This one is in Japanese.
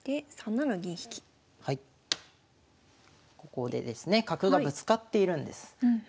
ここでですね角がぶつかっているんです。